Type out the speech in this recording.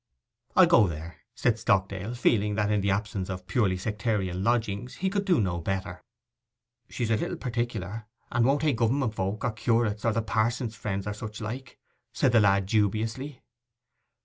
'I'll go there,' said Stockdale, feeling that, in the absence of purely sectarian lodgings, he could do no better. 'She's a little particular, and won't hae gover'ment folks, or curates, or the pa'son's friends, or such like,' said the lad dubiously.